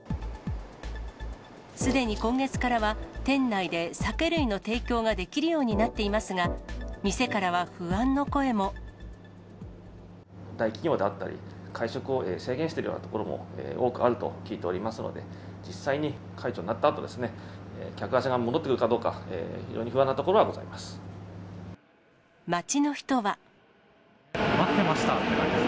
すでに今月からは、店内で酒類の提供ができるようになっていますが、店からは不安の大企業であったり、会食を制限しているようなところも多くあると聞いておりますので、実際に解除になったあと、客足が戻ってくるかどうか、非常に不安なところはございます。